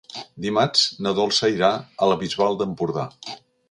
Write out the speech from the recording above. Dimarts na Dolça irà a la Bisbal d'Empordà.